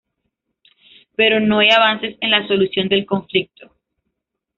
Pero no hay avances en la solución del conflicto.